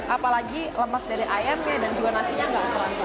apalagi lemak dari ayamnya dan juga nasinya enggak terasa